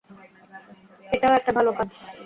এটাও একটা ভালো কাজ।